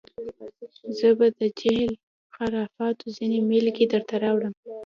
زه به د جهل و خرافاتو ځینې بېلګې دلته راوړم.